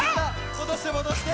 もどしてもどして。